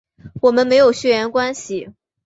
我们没有血缘关系